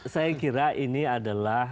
saya kira ini adalah